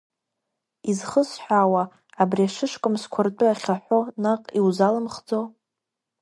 Изхысҳәаауа, абри ашышкамсқәа ртәы ахьаҳәо наҟ иузалымхӡо?